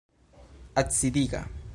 Acidiga.